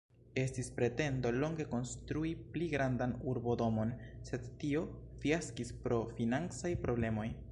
Estis pretendo longe konstrui pli grandan urbodomon, sed tio fiaskis pro financaj problemoj.